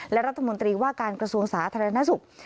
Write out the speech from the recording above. และรัฐมนตรีว่าการกระทรวงสาธารณสุข